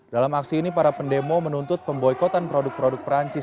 dalam aksi ini para pendemo menuntut pemboikotan produk produk perancis